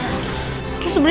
aku sebenarnya juga gak mau ma